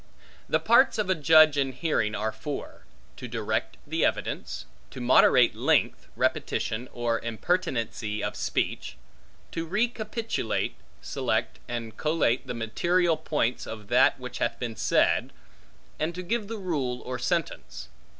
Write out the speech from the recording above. The parts of a judge in hearing, are four: to direct the evidence; to moderate length, repetition, or impertinency of speech; to recapitulate, select, and collate the material points, of that which hath been said; and to give the rule or sentence.